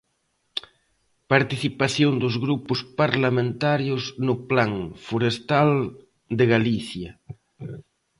Participación dos grupos parlamentarios no Plan forestal de Galicia.